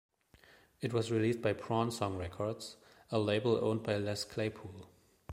It was released by Prawn Song Records, a label owned by Les Claypool.